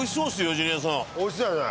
ジュニアさんおいしそうやね